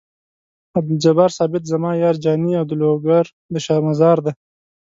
عبدالجبار ثابت زما یار جاني او د لوګر د شاه مزار دی.